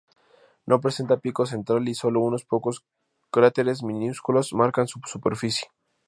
No presenta pico central, y sólo unos pocos cráteres minúsculos marcan su superficie.